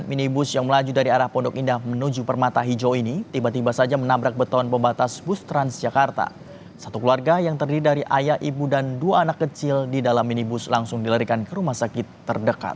minibus terlihat ringsek pada bagian depan serta kaca depan minibus sepeda motor yang menyalip